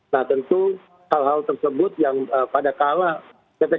nah tentu hal hal tersebut yang pada kala ppkm ini sudah turun